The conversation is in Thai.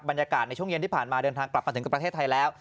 บรรยากาศในช่วงเย็นที่ผ่านมาเดินทางกลับมาถึงประเทศไทยแล้ว